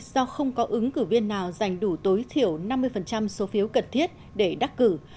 do không có ứng cử viên nào giành đủ tối thiểu năm mươi số phiếu cần thiết để đắc cử